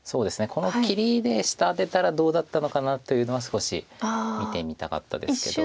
この切りで下アテたらどうだったのかなというのは少し見てみたかったですけど。